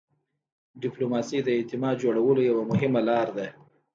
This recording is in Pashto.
ډيپلوماسي د اعتماد جوړولو یوه مهمه لار ده.